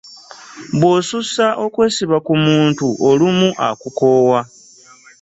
bw'osussa okwesiba ku muntu olumu akukoowa.